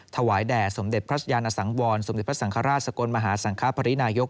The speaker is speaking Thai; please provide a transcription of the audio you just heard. ถวายแด่สมเด็จพระยานสังวรสมเด็จพระสังฆราชสกลมหาสังคปรินายก